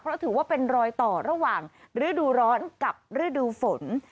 เพราะถือว่าเป็นรอยต่อระหว่างฤดูร้อนกับฤดูฝน